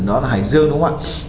đó là hải dương đúng không ạ